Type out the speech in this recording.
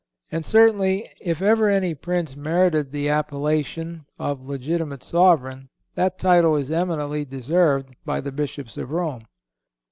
And certainly, if ever any Prince merited the appellation of legitimate sovereign, that title is eminently deserved by the Bishops of Rome.